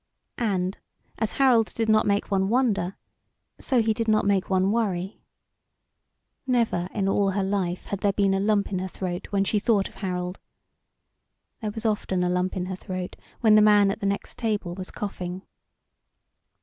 And as Harold did not make one wonder, so he did not make one worry. Never in all her life had there been a lump in her throat when she thought of Harold. There was often a lump in her throat when the man at the next table was coughing.